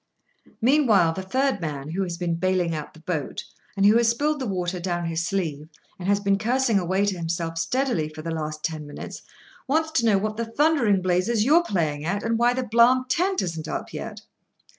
Meanwhile the third man, who has been baling out the boat, and who has spilled the water down his sleeve, and has been cursing away to himself steadily for the last ten minutes, wants to know what the thundering blazes you're playing at, and why the blarmed tent isn't up yet.